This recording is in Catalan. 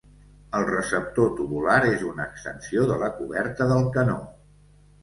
El receptor tubular és una extensió de la coberta del canó.